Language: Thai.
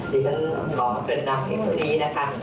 ที่ฉันขอเป็นนำอย่างนี้นะคะ